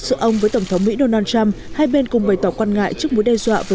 giữa ông với tổng thống mỹ donald trump hai bên cùng bày tỏ quan ngại trước mối đe dọa về